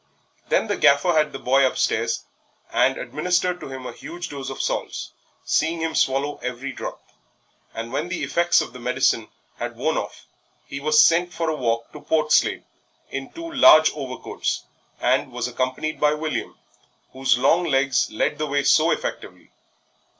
Then the Gaffer had the boy upstairs and administered to him a huge dose of salts, seeing him swallow every drop; and when the effects of the medicine had worn off he was sent for a walk to Portslade in two large overcoats, and was accompanied by William, whose long legs led the way so effectively.